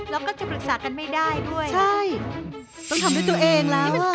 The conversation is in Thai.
แล้วก็จะปรึกษากันไม่ได้ด้วย